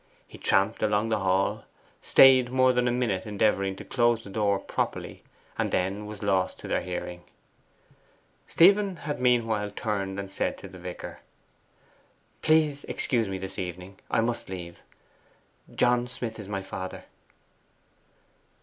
He tramped along the hall, stayed more than a minute endeavouring to close the door properly, and then was lost to their hearing. Stephen had meanwhile turned and said to the vicar: 'Please excuse me this evening! I must leave. John Smith is my father.